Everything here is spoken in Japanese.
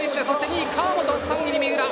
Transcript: ２位が川本、３位に三浦。